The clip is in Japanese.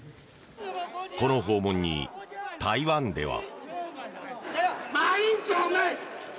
この訪問に台湾では。